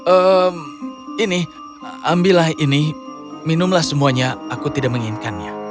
ehm ini ambillah ini minumlah semuanya aku tidak menginginkannya